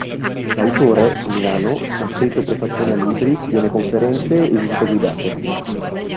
L'autore, su Milano, ha scritto prefazioni a libri, tiene conferenze e visite guidate.